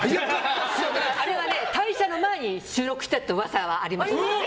あれは退社の前に収録したって噂はありました。